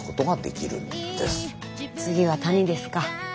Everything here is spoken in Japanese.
次は谷ですか。